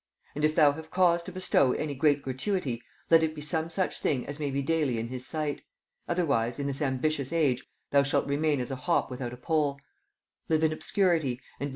And if thou have cause to bestow any great gratuity, let it be some such thing as may be daily in his sight. Otherwise, in this ambitious age, thou shalt remain as a hop without a pole; live in obscurity, and be made a football for every insulting companion."